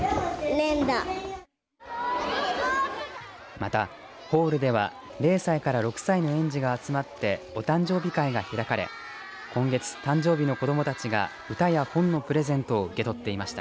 また、ホールでは０歳から６歳の園児が集まってお誕生日会が開かれ今月、誕生日の子どもたちが歌の本のプレゼントを受け取っていました。